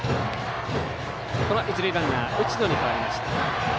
一塁ランナーは打野に代わりました。